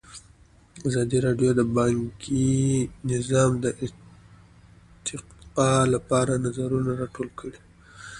ازادي راډیو د بانکي نظام د ارتقا لپاره نظرونه راټول کړي.